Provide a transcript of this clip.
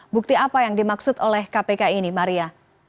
bukti apa yang dimaksud oleh kpk ini maria